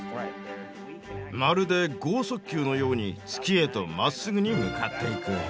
まるで剛速球のように月へとまっすぐに向かっていく。